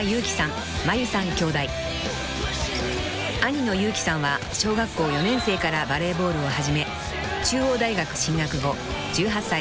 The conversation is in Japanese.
［兄の祐希さんは小学校４年生からバレーボールを始め中央大学進学後１８歳で日本代表入り］